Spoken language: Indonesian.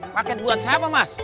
paket buat siapa mas